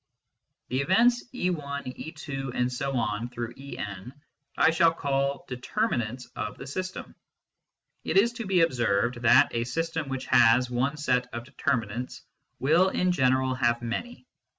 The events e lt e t ,___, e n I shall call " determinants " of the system. It is to be observed that a system which has one set of determinants will in general have many.